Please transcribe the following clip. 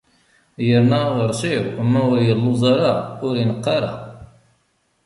Yerna, aɣeṛsiw, ma ur yelluẓ ara, ur ineqq ara.